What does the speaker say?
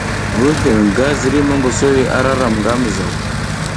Vur hin gar ziriy mongoso a ra ram nga mizaw.